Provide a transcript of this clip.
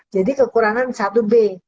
jadi kekurangan satu b